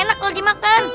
enak kalau dimakan